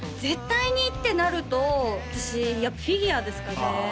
絶対にってなると私やっぱフィギュアですかね